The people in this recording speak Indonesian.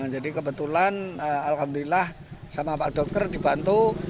jadi kebetulan alhamdulillah sama pak dokter dibantu